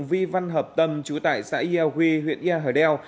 vi văn hợp tâm chủ tại xã yà huy huyện yà hời đeo